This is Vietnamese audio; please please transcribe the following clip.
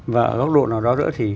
và ở góc độ nào đó nữa thì